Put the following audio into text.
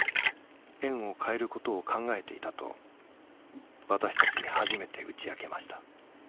園を変えることを考えていたと私たちに初めて打ち明けました。